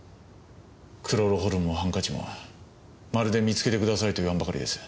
クロロホルムもハンカチもまるで見つけてくださいといわんばかりです。